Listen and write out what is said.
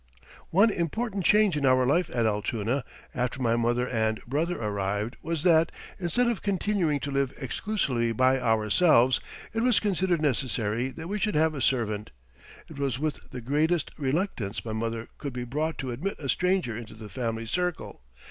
] One important change in our life at Altoona, after my mother and brother arrived, was that, instead of continuing to live exclusively by ourselves, it was considered necessary that we should have a servant. It was with the greatest reluctance my mother could be brought to admit a stranger into the family circle.